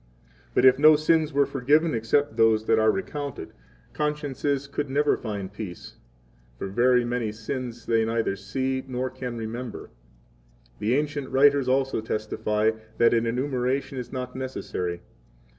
But if no sins were forgiven, except those that are recounted, 9 consciences could never find peace; for very many sins they neither see 10 nor can remember. The ancient writers also testify that an enumeration is not necessary.